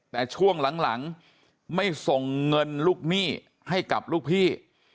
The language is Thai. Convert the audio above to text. แต่ช่วงหลังไม่ส่งเงินลูกหนี้ให้กับลูกพี่